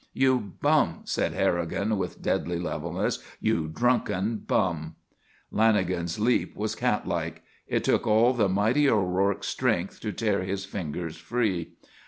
"You bum," said Harrigan, with deadly levelness. "You drunken bum." Lanagan's leap was catlike. It took all the mighty O'Rourke's strength to tear his fingers free.